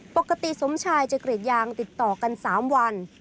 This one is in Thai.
ปกติสมชายจะกรีดยางติดต่อกัน๓วัน